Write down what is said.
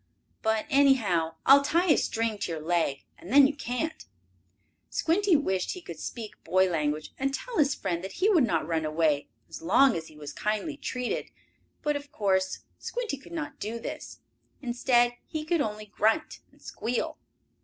But, anyhow, I'll tie a string to your leg, and then you can't." Squinty wished he could speak boy language, and tell his friend that he would not run away as long as he was kindly treated, but of course Squinty could not do this. Instead, he could only grunt and squeal.